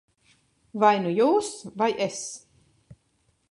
Vai nu jūs, vai es.